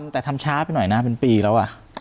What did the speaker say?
แต่ทำช้าไปหน่อยนะเป็นปีแล้ว